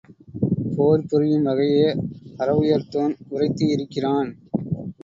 போர் புரியும் வகையே அரவுயர்த்தோன் உரைத்தி ருக்கிறான்.